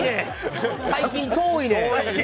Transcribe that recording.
最近、遠いねん。